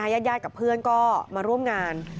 ญาติกับเพื่อนก็มาร่วมงาน